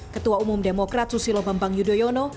ketua umum demokrat susilo bambang yudhoyono